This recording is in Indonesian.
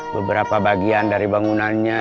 beberapa bagian dari bangunannya